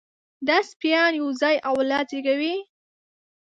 دا سپيان یو ځای اولاد زېږوي.